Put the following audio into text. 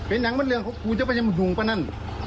เป็นทางบนเรือของคุยถือผู้แตกอาหารหรือเปล่านั่น